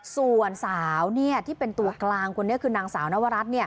ส่วนสาวที่เป็นตัวกลางคนนี้คือนางสาวนวรัฐ